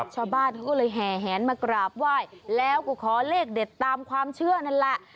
ชาวบ้านเขาก็เลยแห่แหนมากราบไหว้แล้วก็ขอเลขเด็ดตามความเชื่อนั่นแหละ